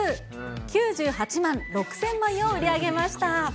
９８万６０００枚を売り上げました。